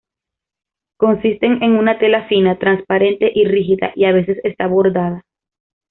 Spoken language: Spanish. Consisten en una tela fina, transparente y rígida y a veces está bordada.